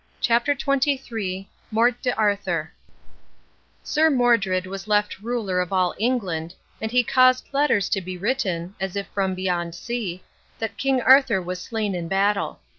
CHAPTER XXIII MORTE D'ARTHUR Sir Modred was left ruler of all England, and he caused letters to be written, as if from beyond sea, that King Arthur was slain in battle.